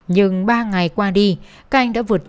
nhưng ba ngày qua đi các anh đã vượt trăm kỳ